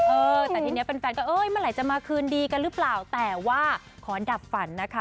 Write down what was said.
เออแต่ทีนี้แฟนก็เอ้ยเมื่อไหร่จะมาคืนดีกันหรือเปล่าแต่ว่าขอดับฝันนะคะ